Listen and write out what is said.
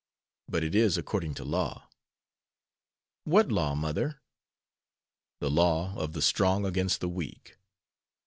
But it is according to law." "What law, mother?" "The law of the strong against the weak."